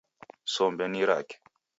Sombe ni rake